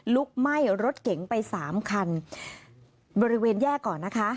ลุกไหม้รถเก๋งไปสามคันบริเวณแยกก่อนนะคะ